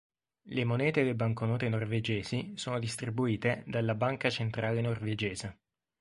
Le monete e le banconote norvegesi sono distribuite dalla Banca centrale norvegese.